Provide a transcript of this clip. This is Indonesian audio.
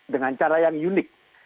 dengan cara yang unik